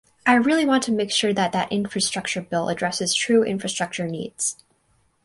I really want to make sure that that infrastructure bill addresses true infrastructure needs.